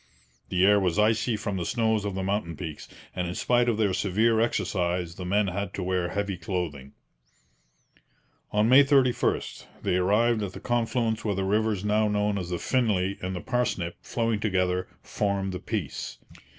The air was icy from the snows of the mountain peaks, and in spite of their severe exercise the men had to wear heavy clothing. On May 31 they arrived at the confluence where the rivers now known as the Finlay and the Parsnip, flowing together, form the Peace.